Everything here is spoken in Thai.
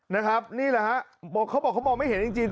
นะครับนี่แหละฮะเขาบอกไม่เห็นจริง